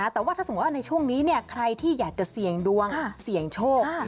แต่ว่าถ้าสมมุติว่าในช่วงนี้ใครที่อยากจะเสี่ยงดวงเสี่ยงโชค